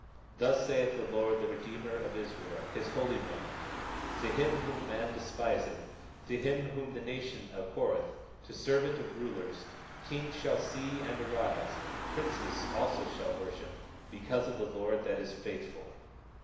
21:7 Thus saith the Lord, the Redeemer of Israel, his Holy One, to him whom man despiseth, to him whom the nation abhorreth, to servant of rulers: Kings shall see and arise, princes also shall worship, because of the Lord that is faithful.